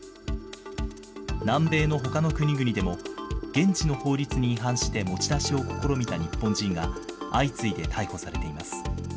南米のほかの国々でも、現地の法律に違反して持ち出しを試みた日本人が相次いで逮捕されています。